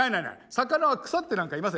魚は腐ってなんかいません。